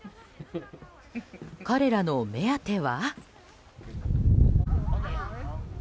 彼らの目当ては？